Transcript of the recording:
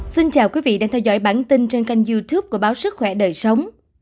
xin chào quý vị đang theo dõi bản tin trên kênh youtube của báo sức khỏe đời sống